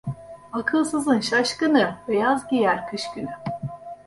Akılsızın şaşkını beyaz giyer kış günü.